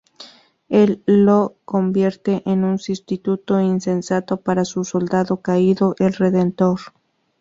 Él lo convierte en un sustituto insensato para su soldado caído, el Redentor.